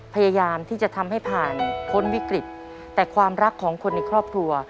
พยายามที่จะทำให้ผ่านพ้นวิกฤตแต่ความรักของคนในครอบครัว